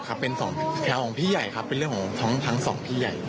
ครับเป็นสองแถวของพี่ใหญ่ครับเป็นเรื่องของทั้งสองพี่ใหญ่